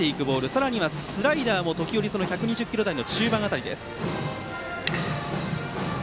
さらにはスライダーも時折１２０キロ台の中盤辺りです。